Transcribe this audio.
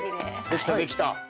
できたできた。